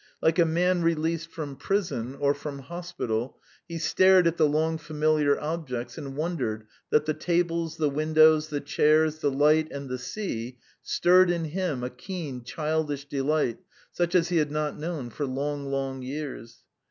Like a man released from prison or from hospital, he stared at the long familiar objects and wondered that the tables, the windows, the chairs, the light, and the sea stirred in him a keen, childish delight such as he had not known for long, long years.